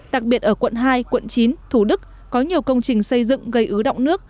đặc biệt ở quận hai quận chín thủ đức có nhiều công trình xây dựng gây ứ động nước